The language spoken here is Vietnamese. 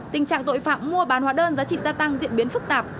tình trạng tội phạm mua bán hóa đơn giá trị gia tăng diễn biến phức tạp